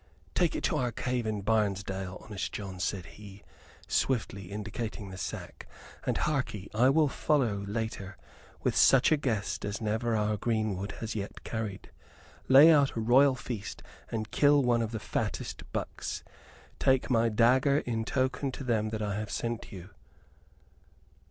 "Take it to our cave in Barnesdale, honest John," said he, swiftly, indicating the sack, "and, harkee; I will follow later with such a guest as never our greenwood has yet carried. Lay out a royal feast and kill one of the fattest bucks. Take my dagger in token to them that I have sent you."